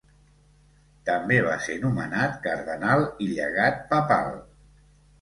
També va ser nomenat cardenal i llegat papal.